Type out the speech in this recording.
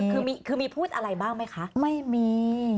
คือคือมีคือมีพูดอะไรบ้างไหมคะไม่มี